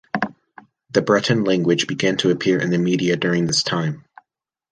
The Breton language began to appear in the media during this time.